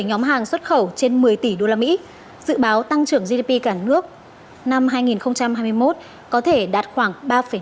nhóm hàng xuất khẩu trên một mươi tỷ usd dự báo tăng trưởng gdp cả nước năm hai nghìn hai mươi một có thể đạt khoảng ba năm